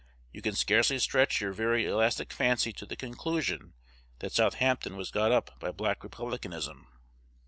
You can scarcely stretch your very elastic fancy to the conclusion that Southampton was got up by Black Republicanism.